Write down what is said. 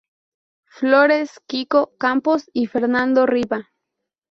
Florez, Kiko Campos y Fernando Riba.